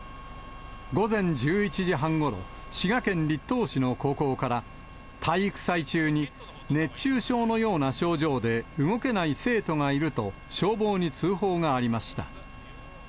午前１１時半ごろ、滋賀県栗東市の高校から、体育祭中に、熱中症のような症状で動けない生徒がいると、消防に通報がありました。